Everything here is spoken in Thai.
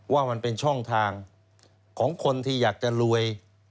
ว่ามันเป็นช่องทางของคนที่อยากจะรวย